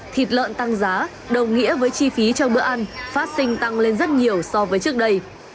thịt lợn tăng giá đồng nghĩa với chi phí cho bữa ăn phát sinh tăng lên rất nhiều so với trước đây